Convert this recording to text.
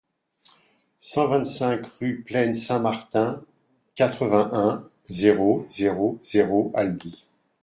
cent vingt-cinq rue Plaine Saint-Martin, quatre-vingt-un, zéro zéro zéro, Albi